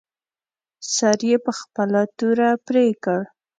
سر یې په خپله توره پرې کړ.